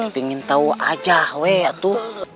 pengen tau aja weh itu